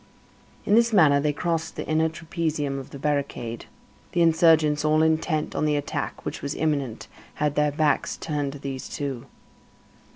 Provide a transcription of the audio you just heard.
In this manner they crossed the inner trapezium of the barricade. The insurgents, all intent on the attack, which was imminent, had their backs turned to these two.